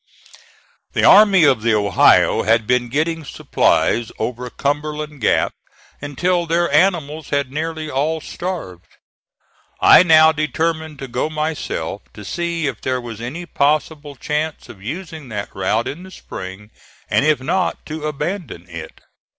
The Army of the Ohio had been getting supplies over Cumberland Gap until their animals had nearly all starved. I now determined to go myself to see if there was any possible chance of using that route in the spring, and if not to abandon it.